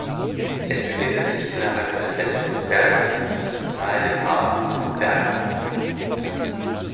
Es befindet sich innerhalb der Festung Bergenhus nahe dem Hafen von Bergen.